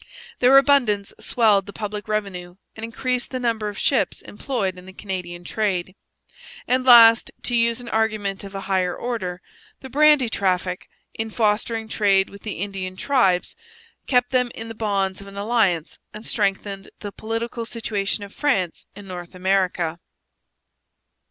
Their abundance swelled the public revenue and increased the number of ships employed in the Canadian trade. And last, to use an argument of a higher order, the brandy traffic, in fostering trade with the Indian tribes, kept them in the bonds of an alliance and strengthened the political situation of France in North America.